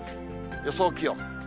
予想気温。